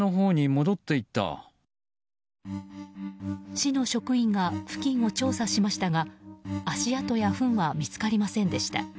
市の職員が付近を調査しましたが足跡やフンは見つかりませんでした。